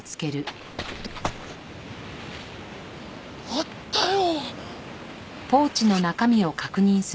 あったよ！